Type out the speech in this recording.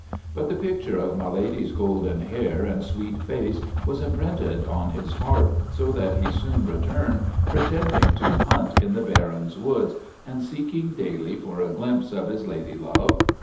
But the picture of My Lady's golden hair and sweet face was imprinted on his heart, so that he soon returned, pretending to hunt in the Baron's woods, and seeking daily for a glimpse of his lady love.